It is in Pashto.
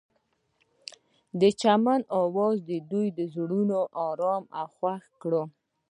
د چمن اواز د دوی زړونه ارامه او خوښ کړل.